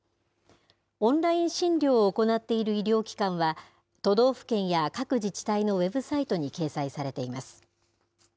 オンライン診療を行っている医療機関は、都道府県や各自治体のウェブサイトに掲載されています。